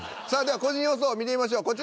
さあでは個人予想見てみましょう。